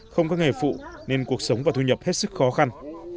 không có nghề phụ nên cuộc sống và thu nhập hết sức khó khăn